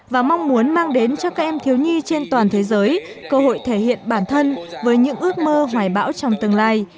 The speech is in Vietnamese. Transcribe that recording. và mong muốn mang đến cho các em thiếu nhi trên toàn thế giới cơ hội thể hiện bản thân với những ước mơ hoài bão trong tương lai